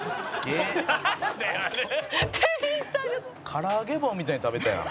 「からあげ棒みたいに食べたやん」